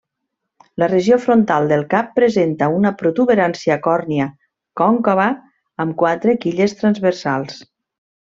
La regió frontal del cap presenta una protuberància còrnia, còncava, amb quatre quilles transversals.